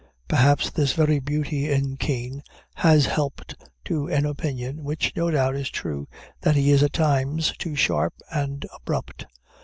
Perhaps this very beauty in Kean has helped to an opinion, which, no doubt, is true, that he is, at times, too sharp and abrupt.